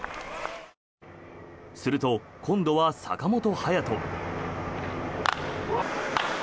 すると、今度は坂本勇人。